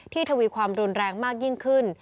ทวีความรุนแรงมากยิ่งขึ้น